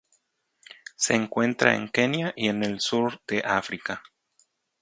Se encuentra en Kenia y en el sur de África.